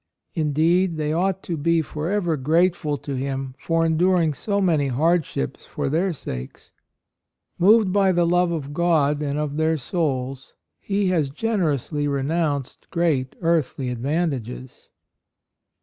Indeed they ought to be forever grateful to him for enduring so many hardships for their sakes. Moved by the love of God and of their souls, he has generously renounced great earthly advantages.